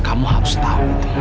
kamu harus tahu itu